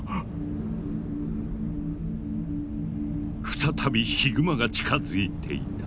再びヒグマが近づいていた。